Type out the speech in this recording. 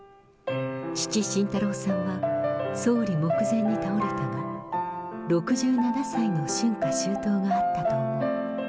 父、晋太郎さんは総理目前に倒れたが、６７歳の春夏秋冬があったと思う。